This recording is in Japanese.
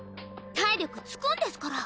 体力つくんですから。